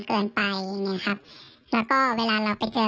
ก็กลัวครับกลัวคนรู้จัก